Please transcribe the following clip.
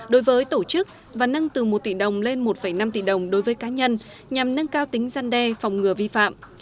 đối với tổ chức và nâng từ một tỷ đồng lên một năm tỷ đồng đối với cá nhân nhằm nâng cao tính gian đe phòng ngừa vi phạm